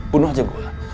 bunuh aja gue